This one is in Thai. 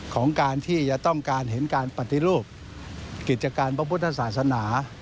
ของการที่จะต้องการเห็นการปฏิรูปกิจการพระพุทธศาสนา